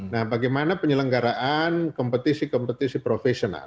nah bagaimana penyelenggaraan kompetisi kompetisi profesional